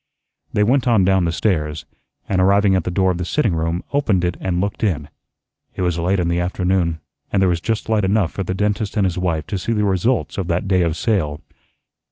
They went on down the stairs, and arriving at the door of the sitting room, opened it and looked in. It was late in the afternoon, and there was just light enough for the dentist and his wife to see the results of that day of sale.